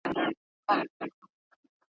د درنې مرګ ژوبلي رپوټونه ورکوي ,